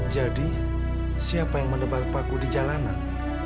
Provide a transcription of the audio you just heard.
jadi siapa yang menebar paku di jalanan